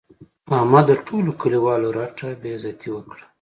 احمد د ټولو کلیوالو رټه بې عزتي وکړه.